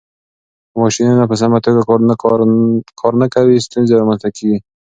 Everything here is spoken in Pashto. که ماشينونه په سمه توګه نه کار کوي، ستونزې رامنځته کېږي.